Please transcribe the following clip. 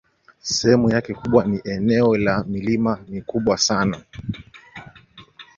Sehemu yake kubwa ni eneo la milima mikubwa sana.